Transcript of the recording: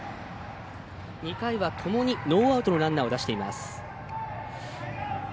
２回はともにノーアウトのランナーを出しています。